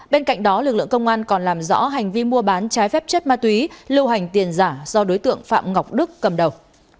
bên cạnh đó lực lượng công an còn làm rõ hành vi mua bán trái phép chất ma túy lưu hành tiền giả do đối tượng phạm ngọc đức cầm đầu